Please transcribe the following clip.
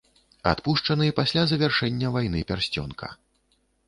Адпушчаны пасля завяршэння вайны пярсцёнка.